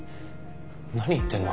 何言ってんの？